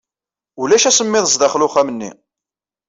Ulac asemmiḍ sdaxel uxxam-nni.